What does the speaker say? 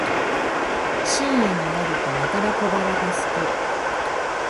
深夜になるとやたら小腹がすく